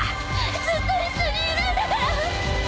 「ずっと一緒にいるんだから！」